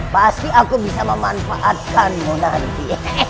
pasti aku bisa memanfaatkanmu nanti